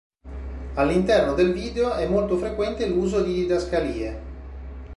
All'interno del video è molto frequente l'uso di didascalie.